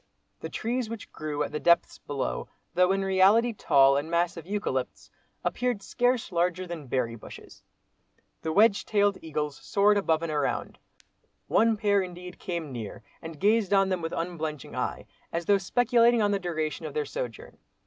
The trees which grew at the depths below, though in reality tall and massive eucalypts, appeared scarce larger than berry bushes. The wedge tailed eagles soared above and around. One pair indeed came near and gazed on them with unblenching eye, as though speculating on the duration of their sojourn.